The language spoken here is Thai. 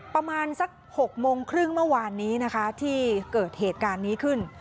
ประมาณสัก๖โมงครึ่งเมื่อวานนี้นะคะที่เกิดเหตุการณ์นี้ขึ้น